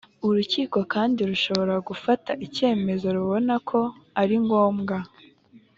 urukiko kandi rushobora gufata icyemezo rubona ko ari ngombwa